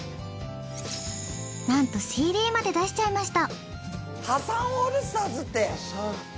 なんとＣＤまで出しちゃいました。